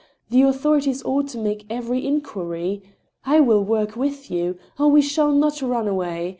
... The authorities ought to make every inquiry. ... I will work with you. Oh, we shall not run away